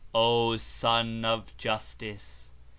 O Son of Justice!